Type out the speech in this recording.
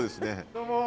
どうも！